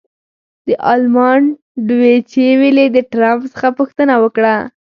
د المان ډویچې وېلې د ټرمپ څخه پوښتنه وکړه.